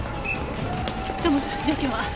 土門さん状況は？